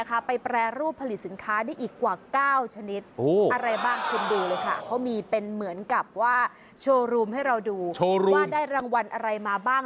ไปแปรรูปผลิตสินค้าได้อีกกว่า๙ชนิดอะไรบ้างคุณดูเลยค่ะเขามีเป็นเหมือนกับว่าโชว์รูมให้เราดูว่าได้รางวัลอะไรมาบ้าง